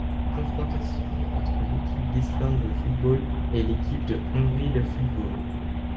Confrontations entre l'équipe d'Islande de football et l'équipe de Hongrie de football.